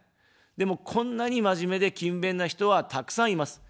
でも、こんなに真面目で勤勉な人はたくさんいます。